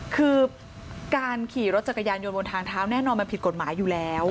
คือการขี่รถจักรยานยนต์บนทางเท้าแน่นอนมันผิดกฎหมายอยู่แล้ว